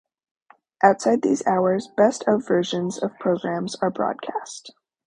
Outside these hours, best of versions of programmes are broadcast.